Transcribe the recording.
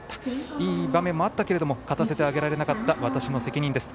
いい場面もあったけれども勝たせてあげられなかった私の責任です。